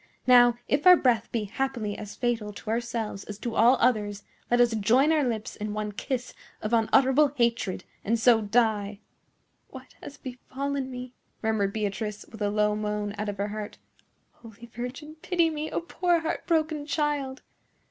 Now, if our breath be happily as fatal to ourselves as to all others, let us join our lips in one kiss of unutterable hatred, and so die!" "What has befallen me?" murmured Beatrice, with a low moan out of her heart. "Holy Virgin, pity me, a poor heart broken child!"